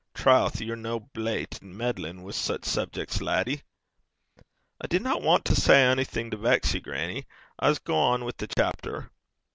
Troth, ye're no blate, meddlin' wi' sic subjecks, laddie!' 'I didna want to say onything to vex ye, grannie. I s' gang on wi' the chapter.'